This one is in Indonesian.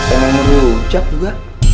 emang merujak juga